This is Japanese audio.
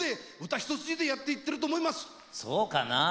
そうかな？